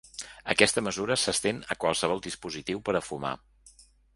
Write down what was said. Aquesta mesura s’estén a qualsevol dispositiu per a fumar.